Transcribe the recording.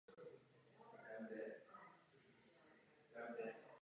Ostatní buňky tuto funkci podporují.